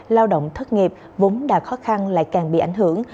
lao động thất nghiệp vốn đã khó khăn lại càng bị ảnh hưởng